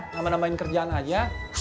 nama nama kerjaan aja